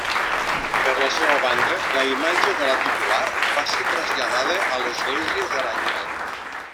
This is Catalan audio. Per la seua banda, la imatge de la titular va ser traslladada a l'església d'Aranyel.